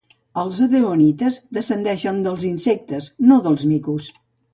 Els edenoites descendeixen dels insectes, no dels micos.